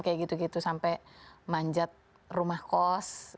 kayak gitu gitu sampai manjat rumah kos